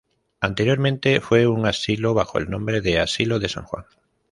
Anteriormente fue un asilo bajo el nombre de "Asilo de San Juan".